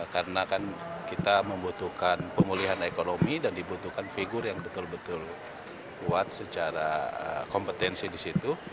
karena kan kita membutuhkan pemulihan ekonomi dan dibutuhkan figur yang betul betul kuat secara kompetensi di situ